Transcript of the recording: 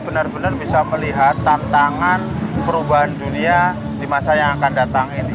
benar benar bisa melihat tantangan perubahan dunia di masa yang akan datang ini